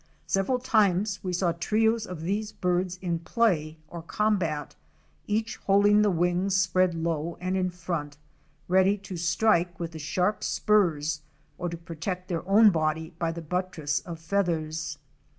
Several times we saw trios of these birds in play or combat, each holding the wings spread low and in front, ready to strike with the sharp spurs or to protect their own body by the buttress of feathers.